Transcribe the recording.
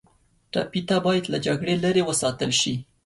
ټپي ته باید له جګړې لرې وساتل شي.